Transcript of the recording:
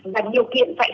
và nhiều kiện phải hạ